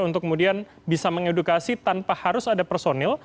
untuk kemudian bisa mengedukasi tanpa harus ada personil